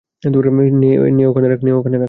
নে, ওখানে রাখ।